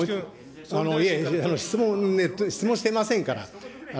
いやいや質問してませんから。